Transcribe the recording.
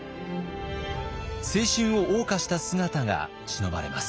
青春をおう歌した姿がしのばれます。